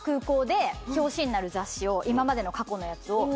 今までの過去のやつを。